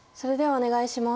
お願いします。